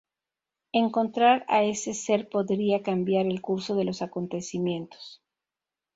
Encontrar a ese ser podría cambiar el curso de los acontecimientos.